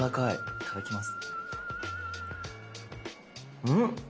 いただきます。